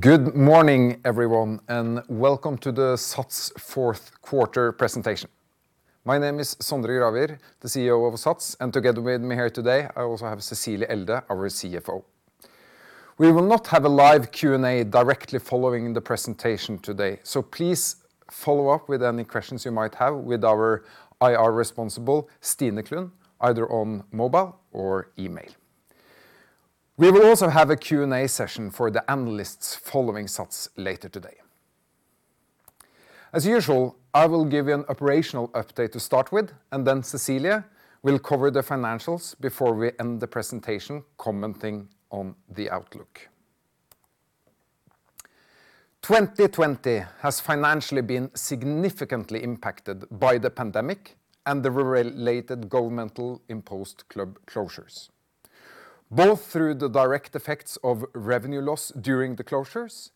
Good morning, everyone. Welcome to the SATS fourth quarter presentation. My name is Sondre Gravir, the CEO of SATS, and together with me here today, I also have Cecilie Elde, our CFO. We will not have a live Q&A directly following the presentation today, so please follow up with any questions you might have with our IR responsible, Stine Klund, either on mobile or email. We will also have a Q&A session for the analysts following SATS later today. As usual, I will give you an operational update to start with, and then Cecilie will cover the financials before we end the presentation, commenting on the outlook. 2020 has financially been significantly impacted by the pandemic and the related governmental imposed club closures, both through the direct effects of revenue loss during the closures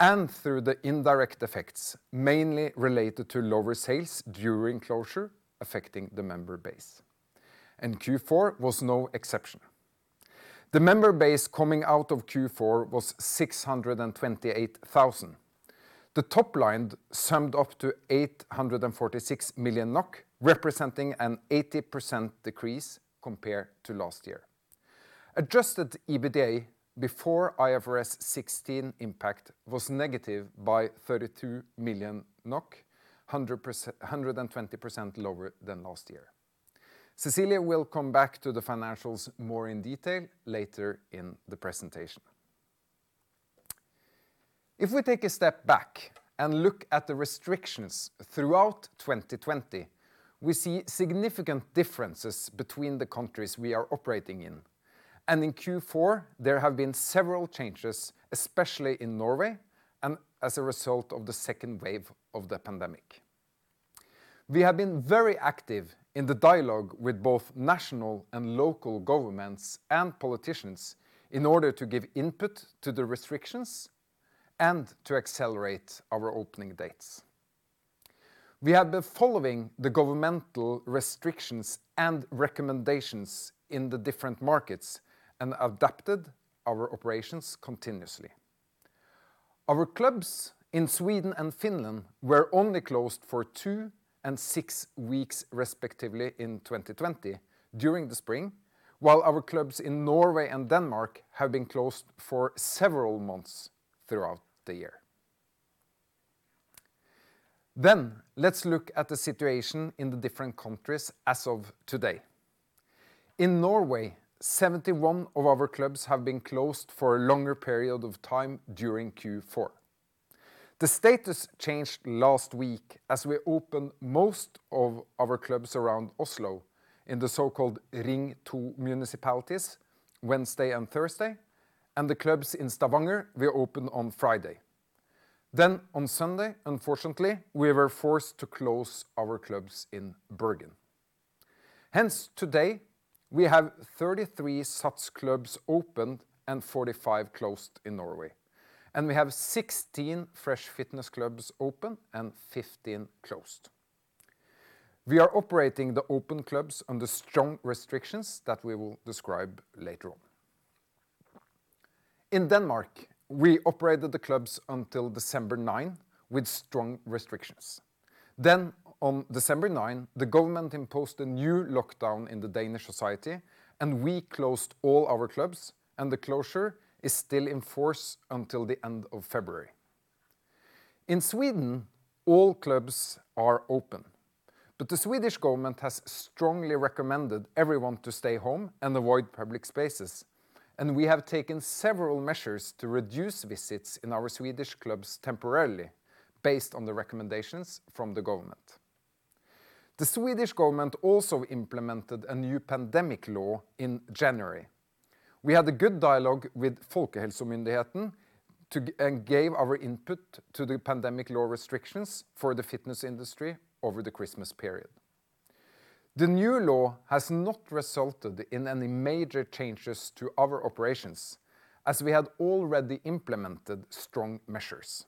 and through the indirect effects, mainly related to lower sales during closure affecting the member base. Q4 was no exception. The member base coming out of Q4 was 628,000. The top line summed up to 846 million NOK, representing an 80% decrease compared to last year. Adjusted EBITDA before IFRS 16 impact was negative by 32 million NOK, 120% lower than last year. Cecilie will come back to the financials more in detail later in the presentation. If we take a step back and look at the restrictions throughout 2020, we see significant differences between the countries we are operating in. In Q4, there have been several changes, especially in Norway and as a result of the second wave of the pandemic. We have been very active in the dialogue with both national and local governments and politicians in order to give input to the restrictions and to accelerate our opening dates. We have been following the governmental restrictions and recommendations in the different markets and adapted our operations continuously. Our clubs in Sweden and Finland were only closed for two and six weeks, respectively, in 2020 during the spring, while our clubs in Norway and Denmark have been closed for several months throughout the year. Let's look at the situation in the different countries as of today. In Norway, 71 of our clubs have been closed for a longer period of time during Q4. The status changed last week as we opened most of our clubs around Oslo in the so-called Ring 2 municipalities Wednesday and Thursday, and the clubs in Stavanger were open on Friday. On Sunday, unfortunately, we were forced to close our clubs in Bergen. Hence, today, we have 33 SATS clubs open and 45 closed in Norway, and we have 16 Fresh Fitness clubs open and 15 closed. We are operating the open clubs under strong restrictions that we will describe later on. In Denmark, we operated the clubs until December 9 with strong restrictions. On December 9, the government imposed a new lockdown in the Danish society, and we closed all our clubs, and the closure is still in force until the end of February. In Sweden, all clubs are open, but the Swedish government has strongly recommended everyone to stay home and avoid public spaces. We have taken several measures to reduce visits in our Swedish clubs temporarily based on the recommendations from the government. The Swedish government also implemented a new pandemic law in January. We had a good dialogue with Folkhälsomyndigheten and gave our input to the pandemic law restrictions for the fitness industry over the Christmas period. The new law has not resulted in any major changes to our operations as we had already implemented strong measures.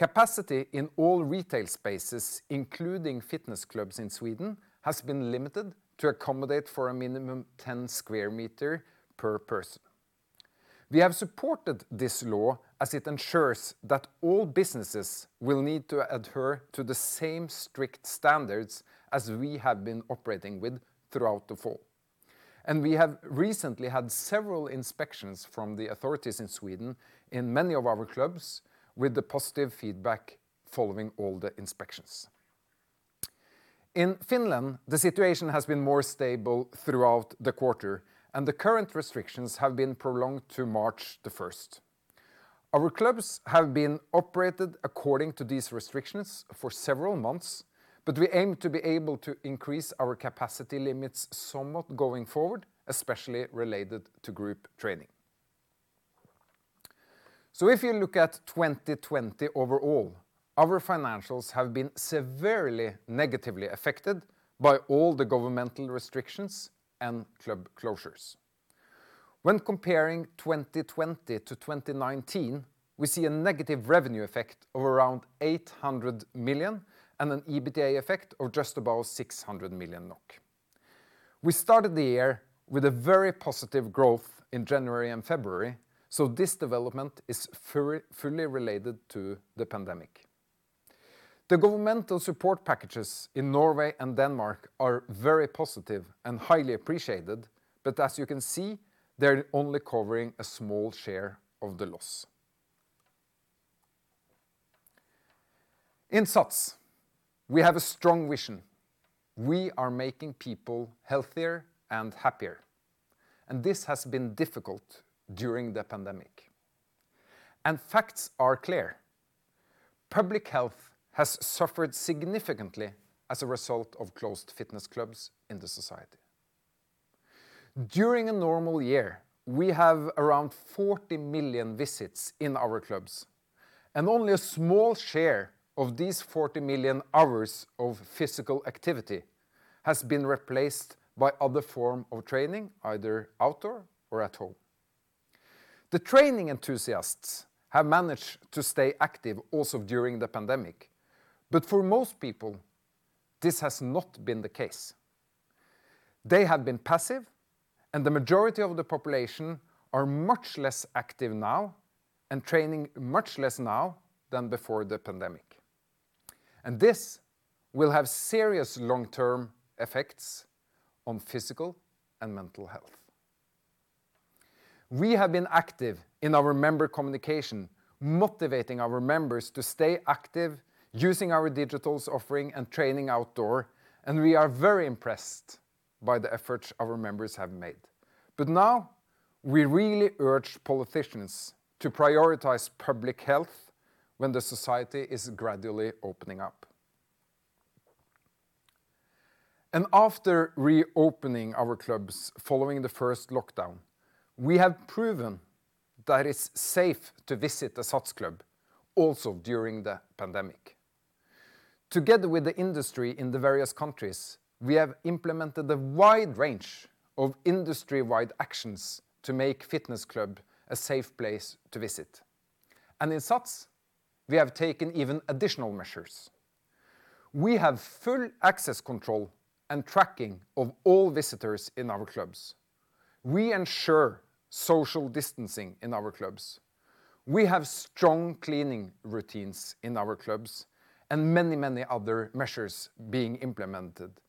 Capacity in all retail spaces, including fitness clubs in Sweden, has been limited to accommodate for a minimum 10 sq m per person. We have supported this law as it ensures that all businesses will need to adhere to the same strict standards as we have been operating with throughout the fall. We have recently had several inspections from the authorities in Sweden in many of our clubs with the positive feedback following all the inspections. In Finland, the situation has been more stable throughout the quarter, and the current restrictions have been prolonged to March 1st. Our clubs have been operated according to these restrictions for several months, but we aim to be able to increase our capacity limits somewhat going forward, especially related to group training. If you look at 2020 overall, our financials have been severely negatively affected by all the governmental restrictions and club closures. When comparing 2020-2019, we see a negative revenue effect of around 800 million and an EBITDA effect of just above 600 million NOK. We started the year with very positive growth in January and February, so this development is fully related to the pandemic. The governmental support packages in Norway and Denmark are very positive and highly appreciated, but as you can see, they're only covering a small share of the loss. In SATS, we have a strong vision. We are making people healthier and happier, and this has been difficult during the pandemic. Facts are clear. Public health has suffered significantly as a result of closed fitness clubs in the society. During a normal year, we have around 40 million visits in our clubs, and only a small share of these 40 million hours of physical activity has been replaced by other forms of training, either outdoor or at home. The training enthusiasts have managed to stay active also during the pandemic, but for most people, this has not been the case. They have been passive, the majority of the population are much less active now and training much less now than before the pandemic. This will have serious long-term effects on physical and mental health. We have been active in our member communication, motivating our members to stay active using our digital offerings and training outdoor, and we are very impressed by the efforts our members have made. Now we really urge politicians to prioritize public health when the society is gradually opening up. After reopening our clubs following the first lockdown, we have proven that it's safe to visit a SATS club also during the pandemic. Together with the industry in the various countries, we have implemented a wide range of industry-wide actions to make fitness clubs a safe place to visit. In SATS, we have taken even additional measures. We have full access control and tracking of all visitors in our clubs. We ensure social distancing in our clubs. We have strong cleaning routines in our clubs and many other measures being implemented,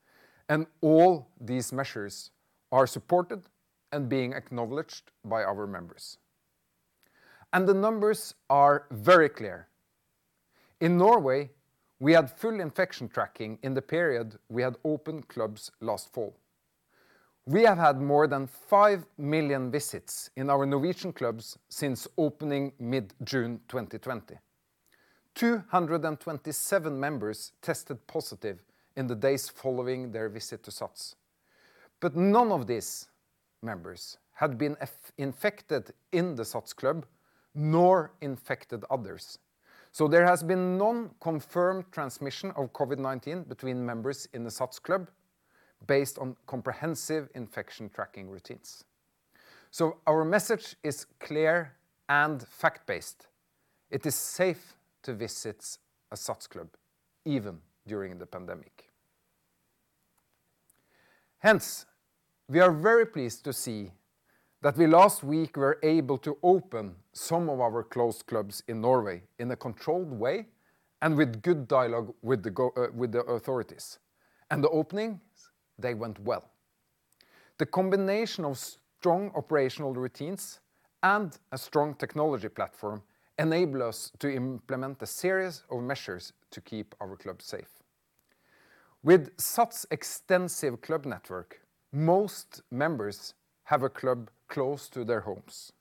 all these measures are supported and being acknowledged by our members. The numbers are very clear. In Norway, we had full infection tracking in the period we had open clubs last fall. We have had more than 5 million visits in our Norwegian clubs since opening mid-June 2020. 227 members tested positive in the days following their visit to SATS, none of these members had been infected in the SATS club, nor infected others. There has been no confirmed transmission of COVID-19 between members in the SATS club based on comprehensive infection tracking routines. Our message is clear and fact-based. It is safe to visit a SATS club even during the pandemic. We are very pleased to see that we last week were able to open some of our closed clubs in Norway in a controlled way and with good dialogue with the authorities. The openings, they went well. The combination of strong operational routines and a strong technology platform enable us to implement a series of measures to keep our clubs safe. With SATS' extensive club network, most members have a club close to their homes.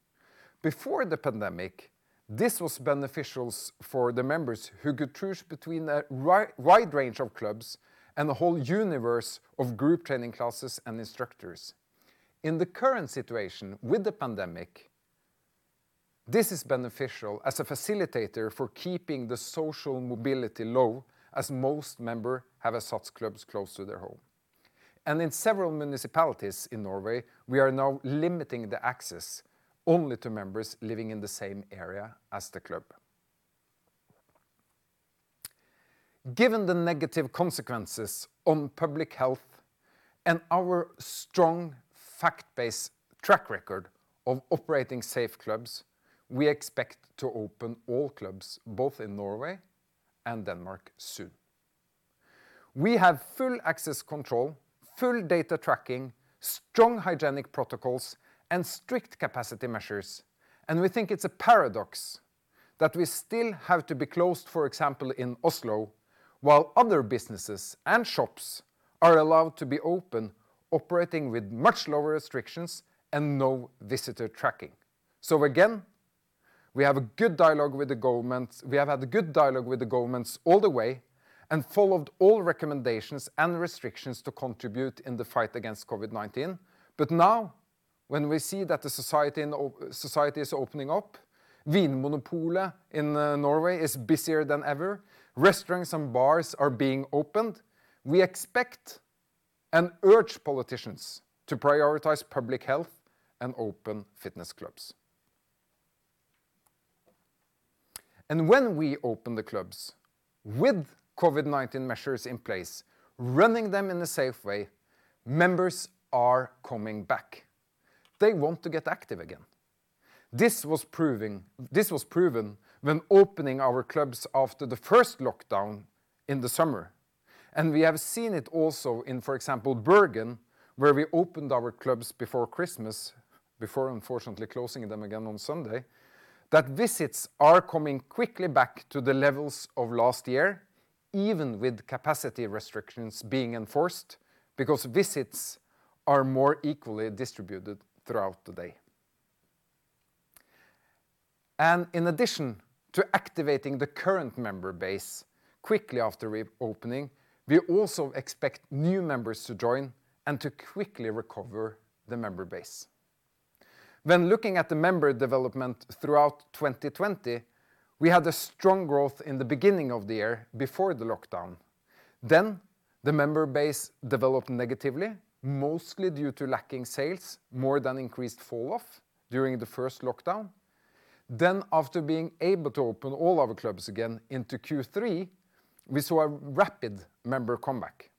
Before the pandemic, this was beneficial for the members, who could choose between a wide range of clubs and a whole universe of group training classes and instructors. In the current situation with the pandemic, this is beneficial as a facilitator for keeping the social mobility low, as most members have a SATS club close to their home. In several municipalities in Norway, we are now limiting the access only to members living in the same area as the club. Given the negative consequences on public health and our strong fact-based track record of operating safe clubs, we expect to open all clubs both in Norway and Denmark soon. We have full access control, full data tracking, strong hygienic protocols, and strict capacity measures, and we think it's a paradox that we still have to be closed, for example, in Oslo, while other businesses and shops are allowed to be open, operating with much lower restrictions and no visitor tracking. Again, we have had good dialogue with the governments all the way and followed all recommendations and restrictions to contribute in the fight against COVID-19. Now, when we see that the society is opening up. Vinmonopolet in Norway is busier than ever. Restaurants and bars are being opened. We expect and urge politicians to prioritize public health and open fitness clubs. When we open the clubs with COVID-19 measures in place, running them in a safe way, members are coming back. They want to get active again. This was proven when opening our clubs after the first lockdown in the summer. We have seen it also in, for example, Bergen, where we opened our clubs before Christmas, before unfortunately closing them again on Sunday, that visits are coming quickly back to the levels of last year, even with capacity restrictions being enforced, because visits are more equally distributed throughout the day. In addition to activating the current member base quickly after reopening, we also expect new members to join and to quickly recover the member base. When looking at the member development throughout 2020, we had a strong growth in the beginning of the year before the lockdown. The member base developed negatively, mostly due to lacking sales, more than increased fall-off during the first lockdown. After being able to open all our clubs again into Q3, we saw a rapid member comeback.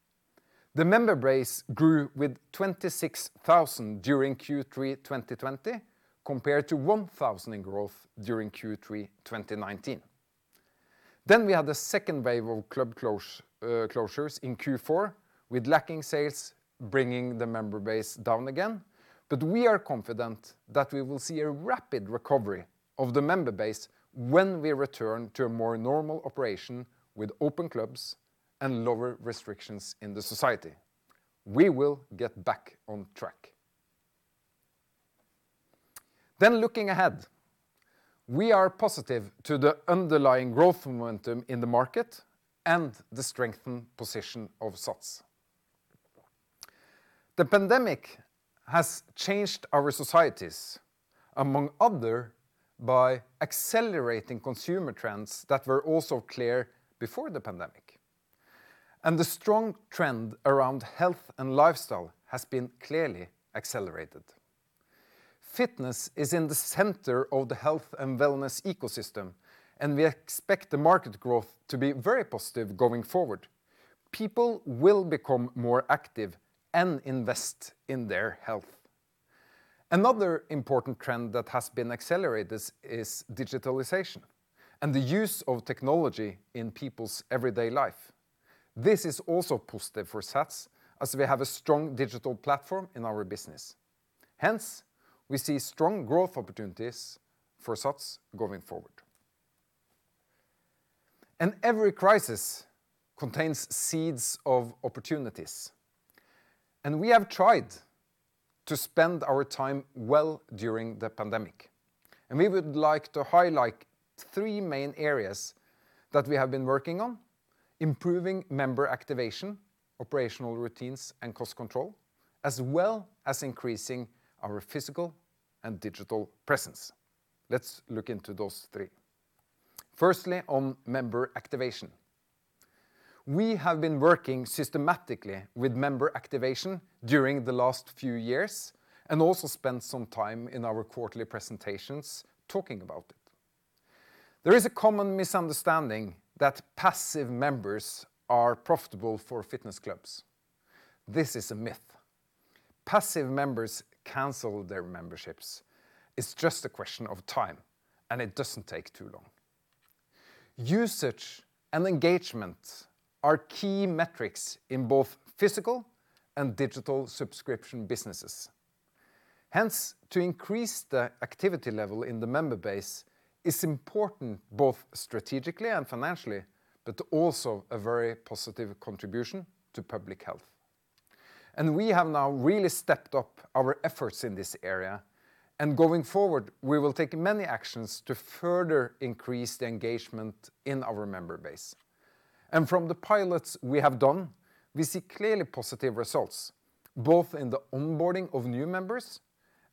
The member base grew with 26,000 during Q3 2020 compared to 1,000 in growth during Q3 2019. We had the second wave of club closures in Q4, with lacking sales bringing the member base down again. We are confident that we will see a rapid recovery of the member base when we return to a more normal operation with open clubs and lower restrictions in the society. We will get back on track. Looking ahead, we are positive to the underlying growth momentum in the market and the strengthened position of SATS. The pandemic has changed our societies, among other, by accelerating consumer trends that were also clear before the pandemic. The strong trend around health and lifestyle has been clearly accelerated. Fitness is in the center of the health and wellness ecosystem, and we expect the market growth to be very positive going forward. People will become more active and invest in their health. Another important trend that has been accelerated is digitalization and the use of technology in people's everyday life. This is also positive for SATS as we have a strong digital platform in our business. Hence, we see strong growth opportunities for SATS going forward. Every crisis contains seeds of opportunities, and we have tried to spend our time well during the pandemic. We would like to highlight three main areas that we have been working on: improving member activation, operational routines, and cost control, as well as increasing our physical and digital presence. Let's look into those three. Firstly, on member activation. We have been working systematically with member activation during the last few years and also spent some time in our quarterly presentations talking about it. There is a common misunderstanding that passive members are profitable for fitness clubs. This is a myth. Passive members cancel their memberships. It's just a question of time, and it doesn't take too long. Usage and engagement are key metrics in both physical and digital subscription businesses. Hence, to increase the activity level in the member base is important, both strategically and financially, but also a very positive contribution to public health. We have now really stepped up our efforts in this area, going forward, we will take many actions to further increase the engagement in our member base. From the pilots we have done, we see clearly positive results, both in the onboarding of new members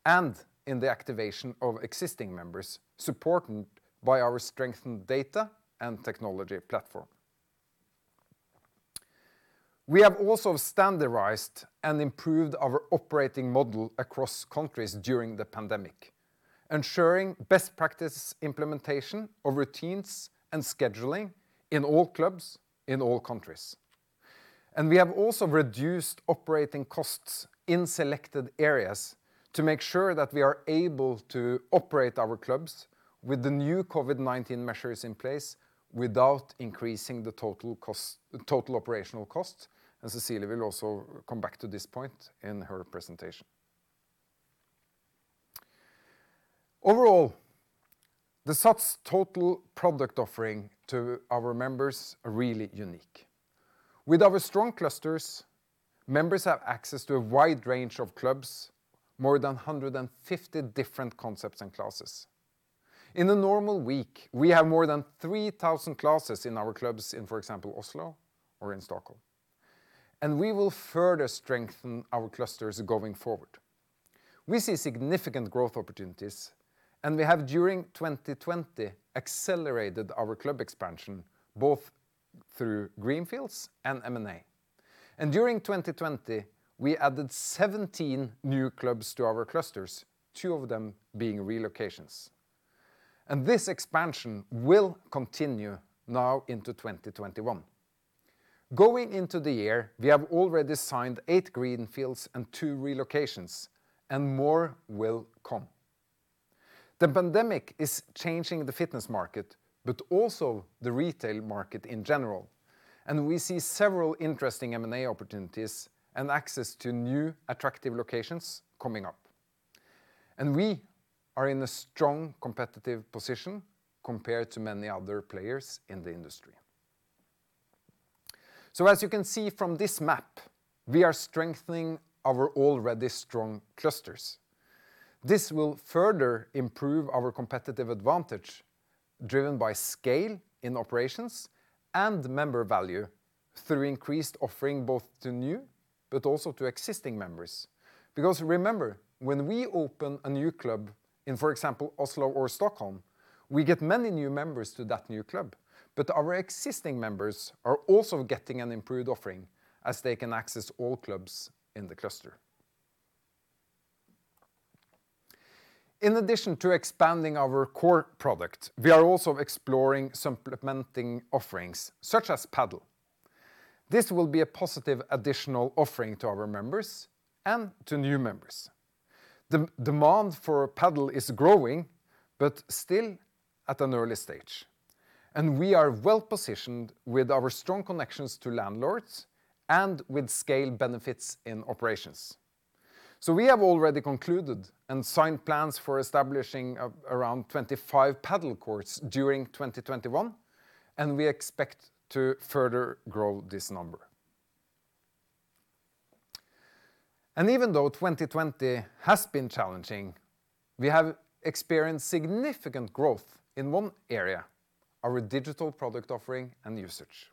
and in the activation of existing members, supported by our strengthened data and technology platform. We have also standardized and improved our operating model across countries during the pandemic, ensuring best practice implementation of routines and scheduling in all clubs in all countries. We have also reduced operating costs in selected areas to make sure that we are able to operate our clubs with the new COVID-19 measures in place without increasing the total operational cost. Cecilie will also come back to this point in her presentation. Overall, the SATS total product offering to our members are really unique. With our strong clusters, members have access to a wide range of clubs, more than 150 different concepts and classes. In a normal week, we have more than 3,000 classes in our clubs in, for example, Oslo or in Stockholm. We will further strengthen our clusters going forward. We see significant growth opportunities, and we have during 2020 accelerated our club expansion, both through greenfields and M&A. During 2020, we added 17 new clubs to our clusters, two of them being relocations. This expansion will continue now into 2021. Going into the year, we have already signed eight greenfields and two relocations, and more will come. The pandemic is changing the fitness market, but also the retail market in general, and we see several interesting M&A opportunities and access to new attractive locations coming up. We are in a strong competitive position compared to many other players in the industry. As you can see from this map, we are strengthening our already strong clusters. This will further improve our competitive advantage, driven by scale in operations and member value through increased offering both to new, but also to existing members. Remember, when we open a new club in, for example, Oslo or Stockholm, we get many new members to that new club, but our existing members are also getting an improved offering as they can access all clubs in the cluster. In addition to expanding our core product, we are also exploring supplementing offerings such as Padel. This will be a positive additional offering to our members and to new members. The demand for Padel is growing, but still at an early stage, and we are well-positioned with our strong connections to landlords and with scale benefits in operations. We have already concluded and signed plans for establishing around 25 Padel courts during 2021, and we expect to further grow this number. Even though 2020 has been challenging, we have experienced significant growth in one area, our digital product offering and usage.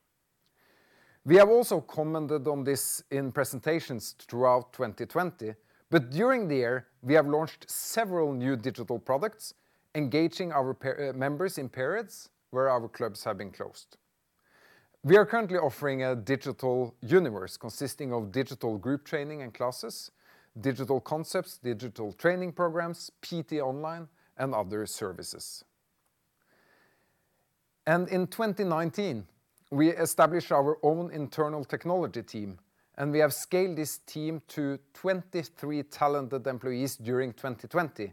We have also commented on this in presentations throughout 2020, but during the year, we have launched several new digital products engaging our members in periods where our clubs have been closed. We are currently offering a digital universe consisting of digital group training and classes, digital concepts, digital training programs, PT online, and other services. In 2019, we established our own internal technology team, and we have scaled this team to 23 talented employees during 2020,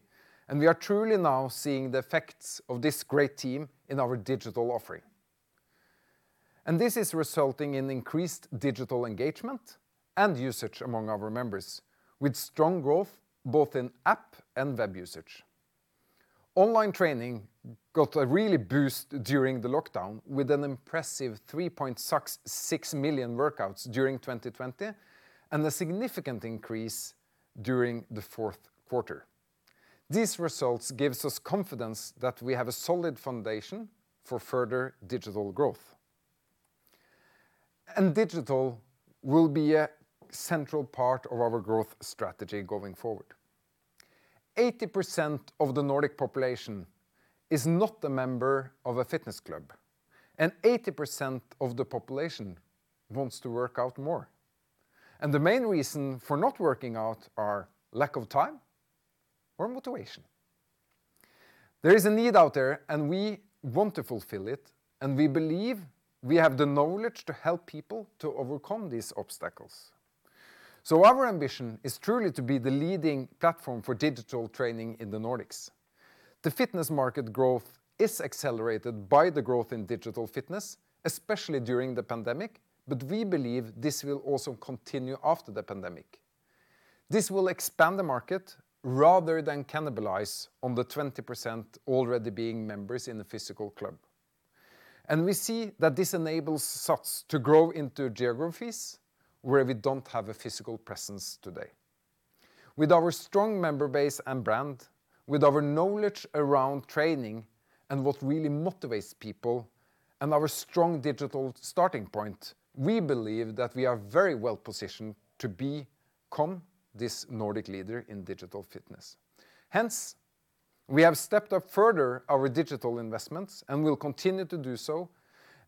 and we are truly now seeing the effects of this great team in our digital offering. This is resulting in increased digital engagement and usage among our members, with strong growth both in app and web usage. Online training got a real boost during the lockdown with an impressive 3.6 million workouts during 2020 and a significant increase during the fourth quarter. These results gives us confidence that we have a solid foundation for further digital growth. Digital will be a central part of our growth strategy going forward. 80% of the Nordic population is not a member of a fitness club, and 80% of the population wants to work out more. The main reason for not working out are lack of time or motivation. There is a need out there and we want to fulfill it, and we believe we have the knowledge to help people to overcome these obstacles. Our ambition is truly to be the leading platform for digital training in the Nordics. The fitness market growth is accelerated by the growth in digital fitness, especially during the pandemic, but we believe this will also continue after the pandemic. This will expand the market rather than cannibalize on the 20% already being members in the physical club. We see that this enables SATS to grow into geographies where we don't have a physical presence today. With our strong member base and brand, with our knowledge around training and what really motivates people, and our strong digital starting point, we believe that we are very well positioned to become this Nordic leader in digital fitness. We have stepped up further our digital investments and will continue to do so,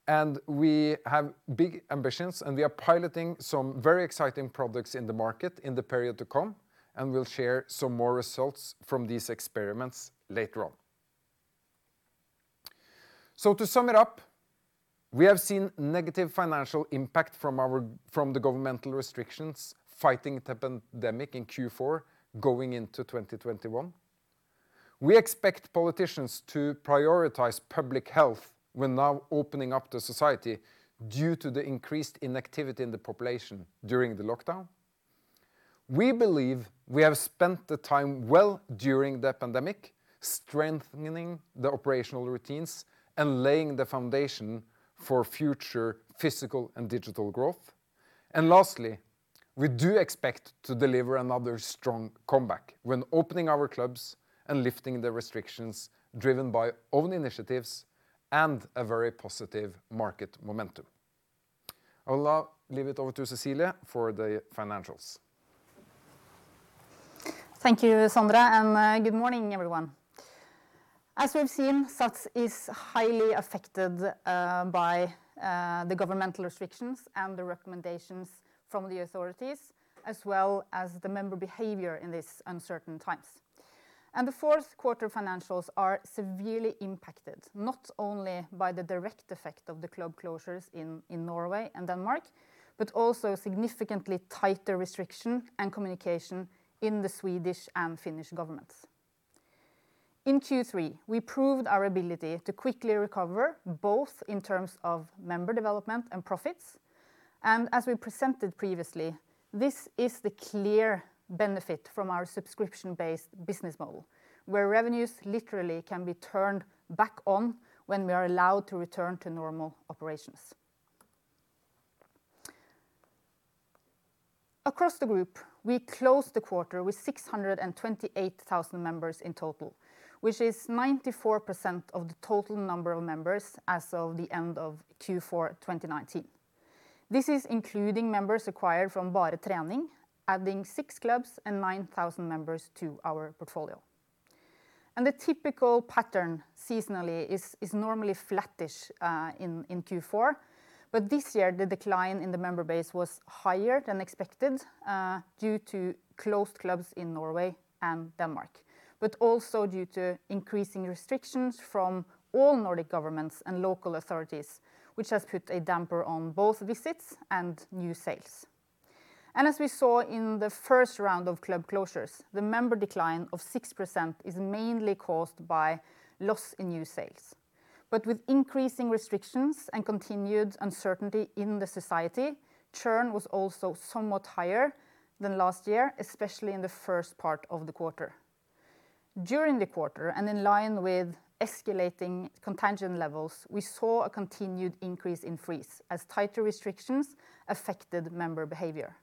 and we have big ambitions, and we are piloting some very exciting products in the market in the period to come, and we will share some more results from these experiments later on. To sum it up, we have seen negative financial impact from the governmental restrictions fighting the pandemic in Q4 going into 2021. We expect politicians to prioritize public health when now opening up the society due to the increased inactivity in the population during the lockdown. We believe we have spent the time well during the pandemic, strengthening the operational routines and laying the foundation for future physical and digital growth. Lastly, we do expect to deliver another strong comeback when opening our clubs and lifting the restrictions driven by own initiatives and a very positive market momentum. I will now leave it over to Cecilie for the financials. Thank you, Sondre. Good morning, everyone. As we've seen, SATS is highly affected by the governmental restrictions and the recommendations from the authorities, as well as the member behavior in these uncertain times. The fourth quarter financials are severely impacted, not only by the direct effect of the club closures in Norway and Denmark, but also significantly tighter restriction and communication in the Swedish and Finnish governments. In Q3, we proved our ability to quickly recover, both in terms of member development and profits. As we presented previously, this is the clear benefit from our subscription-based business model, where revenues literally can be turned back on when we are allowed to return to normal operations. Across the group, we closed the quarter with 628,000 members in total, which is 94% of the total number of members as of the end of Q4 2019. This is including members acquired from Bare Trening, adding six clubs and 9,000 members to our portfolio. The typical pattern seasonally is normally flattish in Q4. This year, the decline in the member base was higher than expected due to closed clubs in Norway and Denmark, but also due to increasing restrictions from all Nordic governments and local authorities, which has put a damper on both visits and new sales. As we saw in the first round of club closures, the member decline of 6% is mainly caused by loss in new sales. With increasing restrictions and continued uncertainty in the society, churn was also somewhat higher than last year, especially in the first part of the quarter. During the quarter, and in line with escalating contagion levels, we saw a continued increase in freeze as tighter restrictions affected member behavior.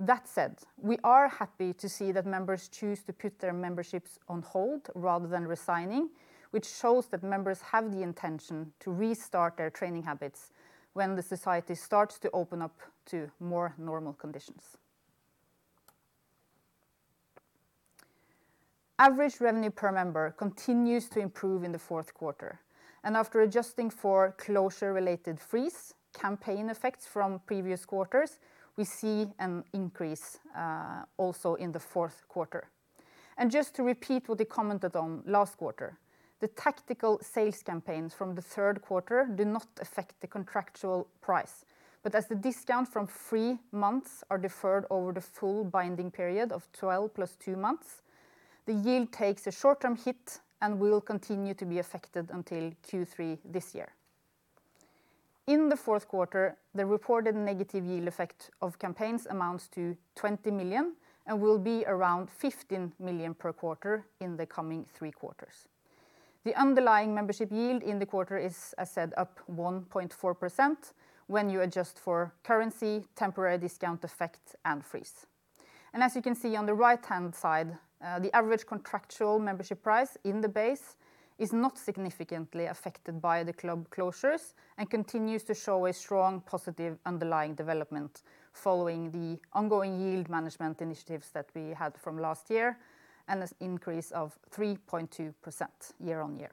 That said, we are happy to see that members choose to put their memberships on hold rather than resigning, which shows that members have the intention to restart their training habits when the society starts to open up to more normal conditions. Average revenue per member continues to improve in the fourth quarter. After adjusting for closure-related freeze, campaign effects from previous quarters, we see an increase also in the fourth quarter. Just to repeat what we commented on last quarter, the tactical sales campaigns from the third quarter do not affect the contractual price. As the discount from three months are deferred over the full binding period of 12+ two months, the yield takes a short-term hit and will continue to be affected until Q3 this year. In the fourth quarter, the reported negative yield effect of campaigns amounts to 20 million and will be around 15 million per quarter in the coming three quarters. The underlying membership yield in the quarter is, as said, up 1.4% when you adjust for currency, temporary discount effect, and freeze. As you can see on the right-hand side, the average contractual membership price in the base is not significantly affected by the club closures and continues to show a strong positive underlying development following the ongoing yield management initiatives that we had from last year and an increase of 3.2% year-on-year.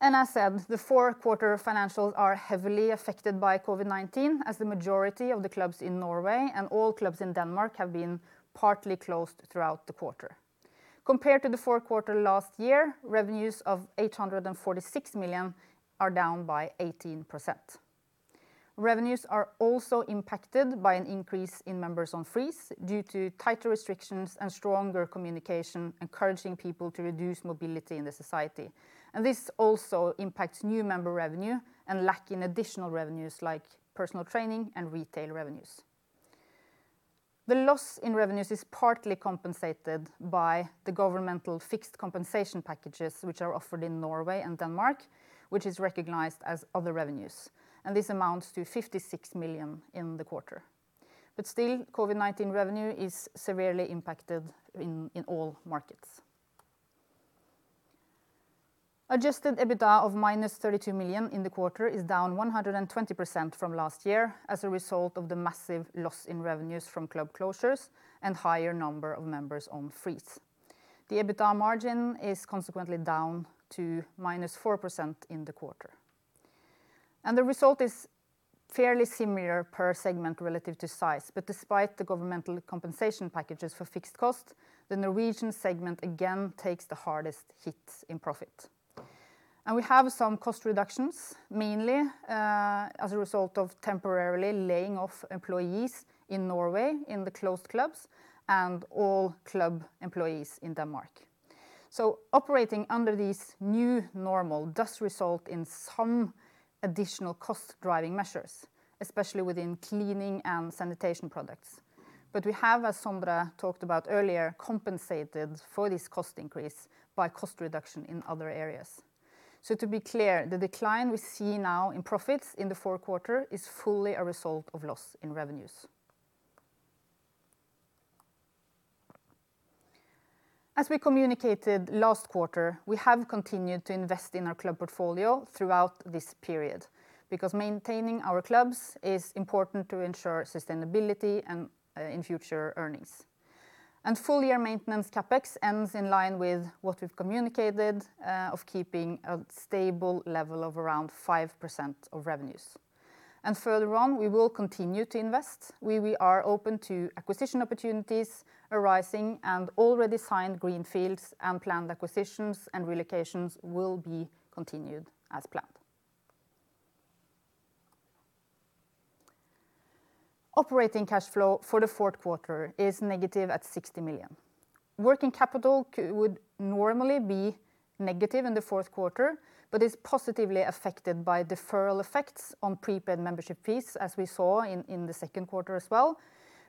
As said, the fourth quarter financials are heavily affected by COVID-19, as the majority of the clubs in Norway and all clubs in Denmark have been partly closed throughout the quarter. Compared to the fourth quarter last year, revenues of 846 million are down by 18%. Revenues are also impacted by an increase in members on freeze due to tighter restrictions and stronger communication, encouraging people to reduce mobility in the society. This also impacts new member revenue and lack in additional revenues like personal training and retail revenues. The loss in revenues is partly compensated by the governmental fixed compensation packages which are offered in Norway and Denmark, which is recognized as other revenues. This amounts to 56 million in the quarter. Still, COVID-19 revenue is severely impacted in all markets. Adjusted EBITDA of -32 million in the quarter is down 120% from last year as a result of the massive loss in revenues from club closures and higher number of members on freeze. The EBITDA margin is consequently down to -4% in the quarter. The result is fairly similar per segment relative to size. Despite the governmental compensation packages for fixed cost, the Norwegian segment again takes the hardest hits in profit. We have some cost reductions, mainly as a result of temporarily laying off employees in Norway in the closed clubs and all club employees in Denmark. Operating under this new normal does result in some additional cost-driving measures. Especially within cleaning and sanitation products. We have, as Sondre talked about earlier, compensated for this cost increase by cost reduction in other areas. To be clear, the decline we see now in profits in the fourth quarter is fully a result of loss in revenues. As we communicated last quarter, we have continued to invest in our club portfolio throughout this period, because maintaining our clubs is important to ensure sustainability in future earnings. Full year maintenance CapEx ends in line with what we've communicated, of keeping a stable level of around 5% of revenues. Further on, we will continue to invest. We are open to acquisition opportunities arising and already signed greenfields and planned acquisitions and relocations will be continued as planned. Operating cash flow for the fourth quarter is negative at 60 million. Working capital would normally be negative in the fourth quarter, but is positively affected by deferral effects on prepaid membership fees, as we saw in the second quarter as well.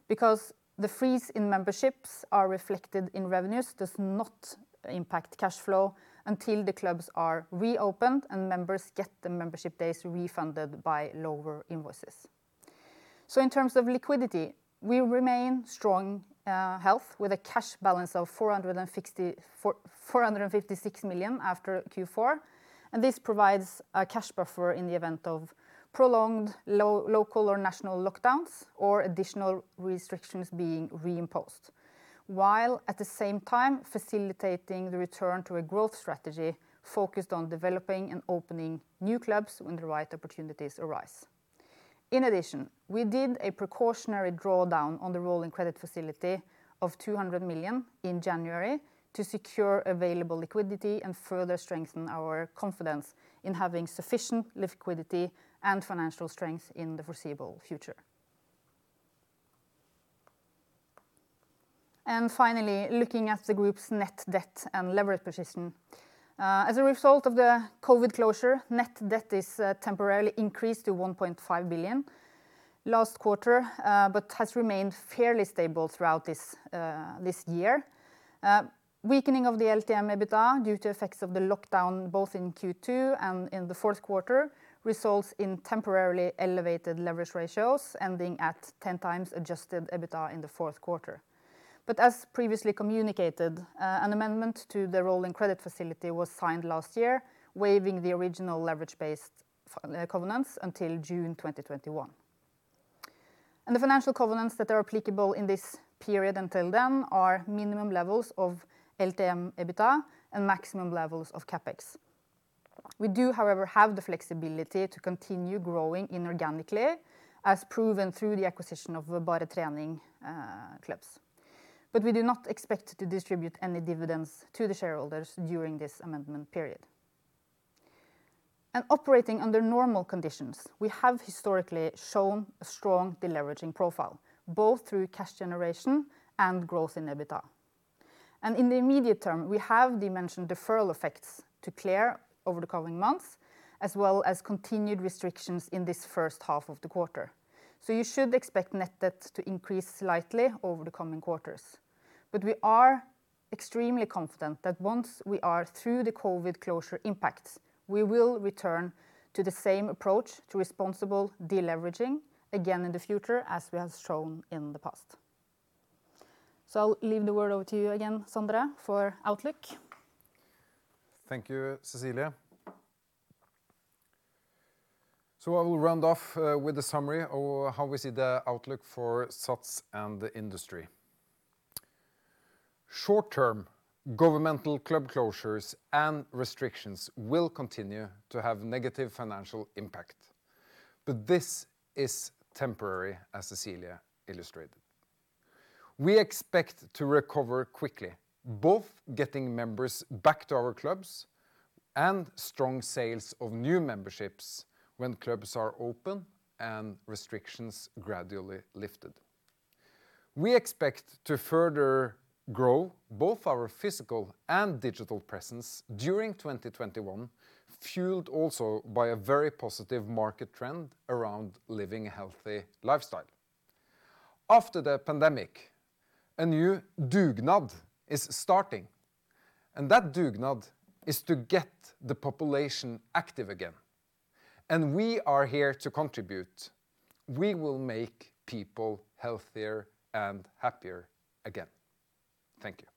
The freeze in memberships are reflected in revenues does not impact cash flow until the clubs are reopened and members get the membership days refunded by lower invoices. In terms of liquidity, we remain strong health with a cash balance of 456 million after Q4, and this provides a cash buffer in the event of prolonged local or national lockdowns or additional restrictions being reimposed. While at the same time facilitating the return to a growth strategy focused on developing and opening new clubs when the right opportunities arise. In addition, we did a precautionary drawdown on the rolling credit facility of 200 million in January to secure available liquidity and further strengthen our confidence in having sufficient liquidity and financial strength in the foreseeable future. Finally, looking at the group's net debt and leverage position. As a result of the COVID-19 closure, net debt is temporarily increased to 1.5 billion last quarter, but has remained fairly stable throughout this year. Weakening of the LTM EBITDA due to effects of the lockdown both in Q2 and in the fourth quarter, results in temporarily elevated leverage ratios ending at 10 times adjusted EBITDA in the fourth quarter. As previously communicated, an amendment to the rolling credit facility was signed last year, waiving the original leverage-based covenants until June 2021. The financial covenants that are applicable in this period until then are minimum levels of LTM EBITDA and maximum levels of CapEx. We do, however, have the flexibility to continue growing inorganically, as proven through the acquisition of Bare Trening clubs. We do not expect to distribute any dividends to the shareholders during this amendment period. Operating under normal conditions, we have historically shown a strong deleveraging profile, both through cash generation and growth in EBITDA. In the immediate term, we have the mentioned deferral effects to clear over the coming months, as well as continued restrictions in this first half of the quarter. You should expect net debt to increase slightly over the coming quarters. We are extremely confident that once we are through the COVID-19 closure impacts, we will return to the same approach to responsible deleveraging again in the future as we have shown in the past. I'll leave the word over to you again, Sondre, for outlook. Thank you, Cecilie. I will round off with a summary of how we see the outlook for SATS and the industry. Short term, governmental club closures and restrictions will continue to have negative financial impact. This is temporary, as Cecilie illustrated. We expect to recover quickly, both getting members back to our clubs and strong sales of new memberships when clubs are open and restrictions gradually lifted. We expect to further grow both our physical and digital presence during 2021, fueled also by a very positive market trend around living a healthy lifestyle. After the pandemic, a new "Dugnad" is starting, that Dugnad is to get the population active again, we are here to contribute. We will make people healthier and happier again. Thank you.